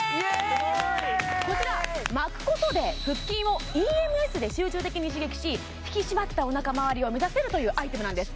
すごいこちら巻くことで腹筋をＥＭＳで集中的に刺激し引き締まったおなかまわりを目指せるというアイテムなんです